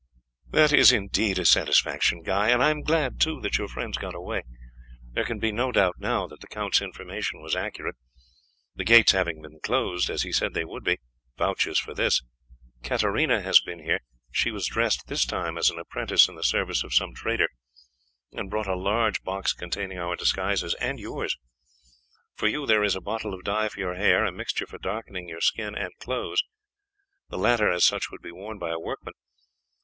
"That is indeed a satisfaction, Guy; and I am glad, too, that your friends got away. There can be no doubt now that the count's information was accurate; the gates having been closed, as he said they would be, vouches for this. Katarina has been here; she was dressed this time as an apprentice in the service of some trader, and brought a large box containing our disguises and yours. For you there is a bottle of dye for your hair, a mixture for darkening your skin, and clothes the latter such as would be worn by a workman.